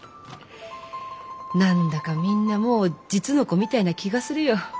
何だかみんなもう実の子みたいな気がするよ。